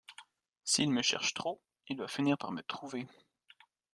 S'il me cherche trop, il va finir par me trouver...